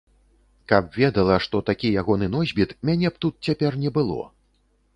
Каб ведала, што такі ягоны носьбіт, мяне б тут цяпер не было.